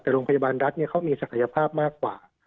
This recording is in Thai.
แต่โรงพยาบาลรัฐเขามีศักยภาพมากกว่า